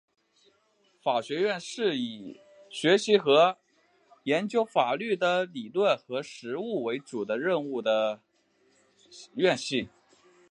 法学院是以学习和研究法律的理论和实务为主要任务的院系。